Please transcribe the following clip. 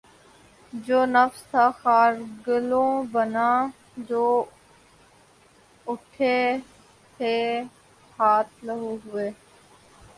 جو نفس تھا خار گلو بنا جو اٹھے تھے ہاتھ لہو ہوئے